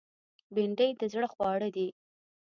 بېنډۍ د زړه خواړه دي